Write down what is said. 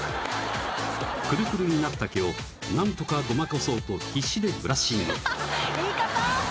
クルクルになった毛をなんとかごまかそうと必死でブラッシング言い方